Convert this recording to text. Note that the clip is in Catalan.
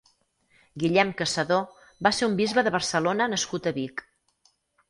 Guillem Caçador va ser un bisbe de Barcelona nascut a Vic.